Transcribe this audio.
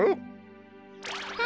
あ！